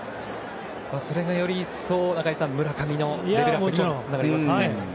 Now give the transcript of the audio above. それが、より一層村上のレベルアップにつながりますね。